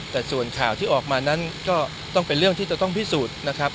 แต่ส่วนข่าวที่ออกมานั้นก็ต้องเป็นเรื่องที่จะต้องพิสูจน์นะครับ